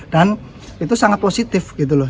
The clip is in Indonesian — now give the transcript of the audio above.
dan itu sangat positif gitu loh